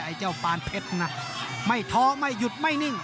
ไอ้เจ้าปานเพชรนะ